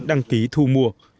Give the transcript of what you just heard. đăng ký thu mua